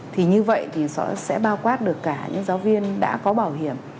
thì như vậy thì sẽ bao quát được cả những giáo viên đã có bảo hiểm